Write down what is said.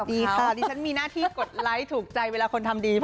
สวัสดีค่ะสวัสดีฉันมีหน้าที่กดไลค์ถูกใจเวลาคนทำดีพอ